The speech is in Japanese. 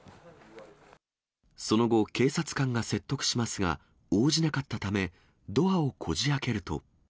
その後、警察官が説得しますが、応じなかったため、ドアをこじあけると。